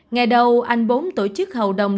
ngày đầu anh bốn tổ chức hầu đồng